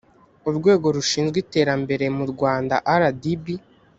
urwego rushinzwe iterambere mu rwanda rdb